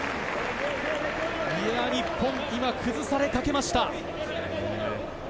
日本、崩されかけました。